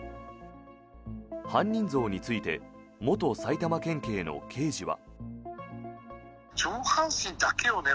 犯人像について元埼玉県警の刑事は。